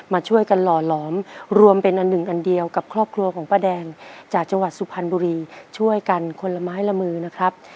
มาช่วยกันหล่อหลอมรวมเป็นอันหนึ่งอันเดียวกับครอบครัวของป้าแดงจากจังหวัดสุพรรณบุรีช่วยกันคนละไม้ละมือนะครับ